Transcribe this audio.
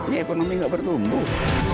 ini ekonomi gak bertumbuh